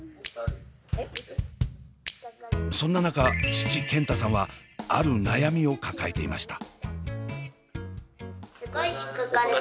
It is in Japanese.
そんな中父健太さんはある悩みを抱えていました。